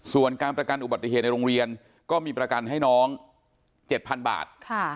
ส่วนการประกันอุบัติเหตุในโรงเรียนก็มีประกันให้น้อง๗๐๐๐บาท